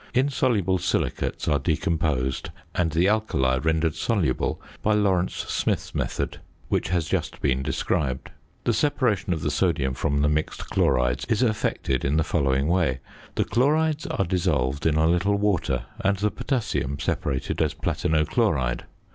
Insoluble silicates are decomposed and the alkali rendered soluble by Lawrence Smith's method, which has just been described. The separation of the sodium from the mixed chlorides is effected in the following way: The chlorides are dissolved in a little water and the potassium separated as platino chloride.